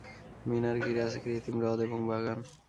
মিনার ঘিরে আছে কৃত্রিম হ্রদ এবং বাগান।